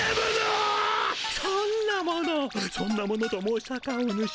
そんなものそんなものと申したかおぬし。